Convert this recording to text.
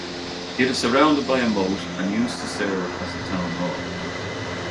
It is surrounded by a moat and used to serve as the town hall.